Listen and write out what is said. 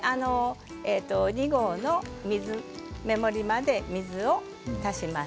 ２合の目盛りまで水を足します。